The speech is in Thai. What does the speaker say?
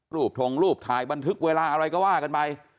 ทงรูปถ่ายบันทึกเวลาอะไรก็ว่ากันไป